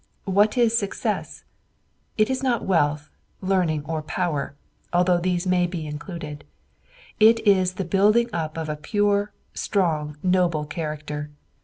What is success? It is not wealth, learning or power, although these may be included. It is the building up of a pure, strong, noble character.